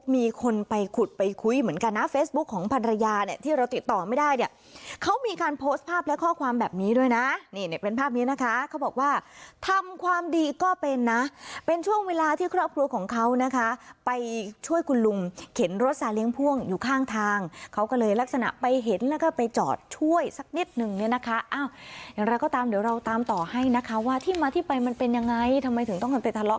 มีคนไปขุดไปคุยเหมือนกันนะเฟซบุ๊กของภรรยาเนี่ยที่เราติดต่อไม่ได้เนี่ยเขามีการโพสต์ภาพและข้อความแบบนี้ด้วยนะนี่เป็นภาพนี้นะคะเขาบอกว่าทำความดีก็เป็นนะเป็นช่วงเวลาที่ครอบครัวของเขานะคะไปช่วยคุณลุงเข็นรถสาเลี้ยงพ่วงอยู่ข้างทางเขาก็เลยลักษณะไปเห็นแล้วก็ไปจอดช่วยสักนิดหนึ่งเนี่ยนะคะอ้าวอย่าง